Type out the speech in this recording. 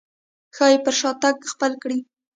ښايي پر شا تګ خپل کړي.